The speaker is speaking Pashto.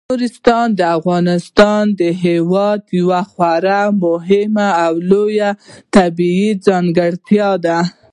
نورستان د افغانستان هیواد یوه خورا مهمه او لویه طبیعي ځانګړتیا ده.